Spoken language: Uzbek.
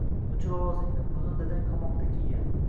O‘chir ovozingni, buni dadang qamoqda kiygan